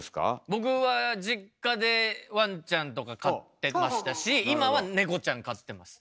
僕は実家でわんちゃんとか飼ってましたし今はねこちゃん飼ってます。